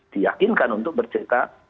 diyakinkan untuk bercerita